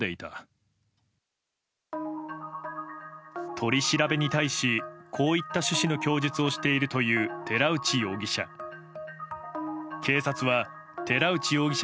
取り調べに対しこういった趣旨の供述をしているという寺内容疑者。